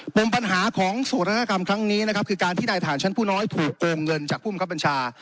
ปรุงปัญหาของสหรัฐกรรมครั้งนี้นะครับคือการที่นายทหารชั้นผู้น้อยถูกโกรมเงินจากผู้มีความบัญชา